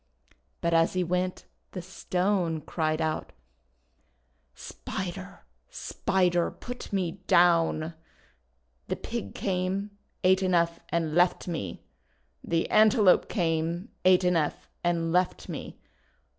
But as he went the Stone cried out: — "Spider! Spider! Put me down! The Pig came, ate enough, and left me! The Antelope came, ate enough, and left me!